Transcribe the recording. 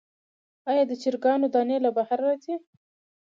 آیا د چرګانو دانی له بهر راځي؟